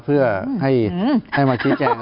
เพื่อให้มาชี้แจง